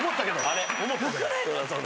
あれ？